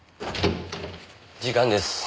時間です。